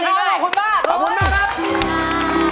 ขอบคุณมากครับ